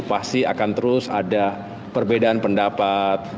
pasti akan terus ada perbedaan pendapat